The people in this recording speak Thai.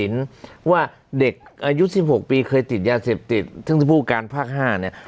ในยุคสิบหกปีเคยติดยาเสพติดซึ่งผู้การภาคห้าเนี่ย